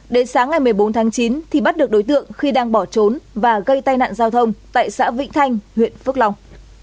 đến sáng ngày một mươi bốn tháng chín thì bắt được đối tượng khi đang bỏ trốn và gây tai nạn giao thông tại xã vĩnh thanh huyện phước long